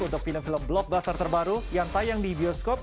untuk film film blockbuster terbaru yang tayang di bioskop